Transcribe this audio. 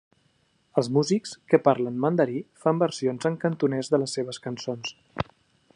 Els músics que parlen mandarí fan versions en cantonès de les seves cançons.